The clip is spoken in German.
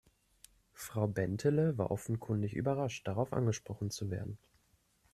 Frau Bentele war offenkundig überrascht, darauf angesprochen zu werden.